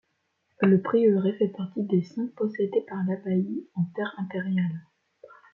Le prieuré fait partie des cinq possédés par l'abbaye, en terres impériales.